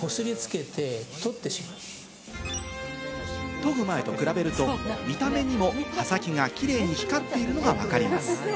研ぐ前と比べると見た目にも刃先がキレイに光っているのがわかります。